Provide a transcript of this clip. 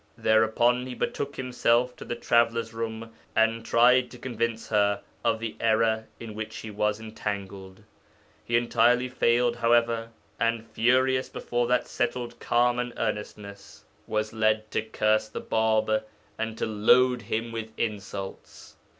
Thereupon he betook himself to the traveller's room, and tried to convince her of the error in which she was entangled. He entirely failed, however, and, furious before that settled calm and earnestness, was led to curse the Bāb and to load him with insults.